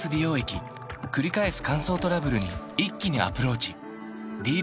くり返す乾燥トラブルに一気にアプローチ